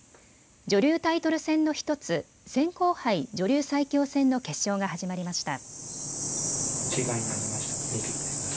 女流タイトル戦の１つ、扇興杯女流最強戦の決勝が始まりました。